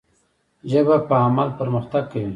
ژبه په عمل پرمختګ کوي.